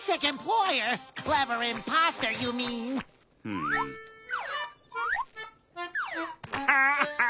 アハハハ！